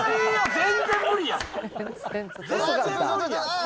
全然無理やん。